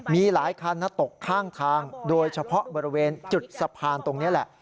มีหลายคันตกข้างทางโดยเฉพาะบริเวณจุดสะพานตรงนี้แหละ